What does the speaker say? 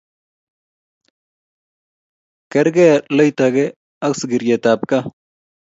Kerkei loitoke ak sigirietab gaa